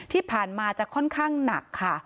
ที่ผ่านมาจะค่อนข้างหนักค่ะ